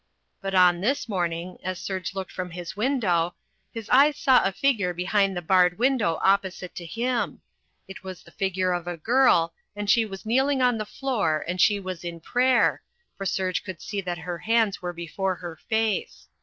But on this morning as Serge looked from his window his eyes saw a figure behind the barred window opposite to him. It was the figure of a girl, and she was kneeling on the floor and she was in prayer, for Serge could see that her hands were before her face.